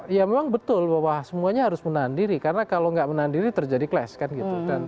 ya memang betul bahwa semuanya harus menahan diri karena kalau nggak menahan diri terjadi class kan gitu